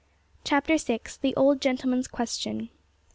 CHAPTER VI. THE OLD GENTLEMAN'S QUESTION.